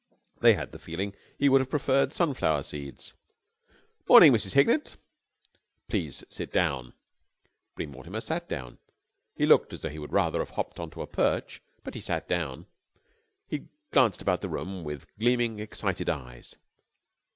They had the feeling that he would have preferred sun flower seeds. "Morning, Mrs. Hignett." "Please sit down." Bream Mortimer sat down. He looked as though he would rather have hopped on to a perch, but he sat down. He glanced about the room with gleaming, excited eyes.